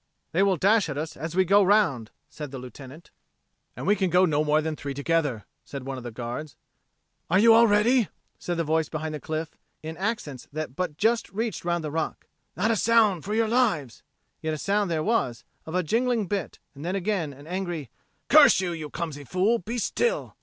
"They will dash at us as we go round," said the Lieutenant. "And we can go no more than three together," said one of the guards. "Are you all ready?" said the voice behind the cliff, in accents that but just reached round the rock. "Not a sound, for your lives!" Yet a sound there was, as of a jingling bit, and then again an angry, "Curse you, you clumsy fool, be still."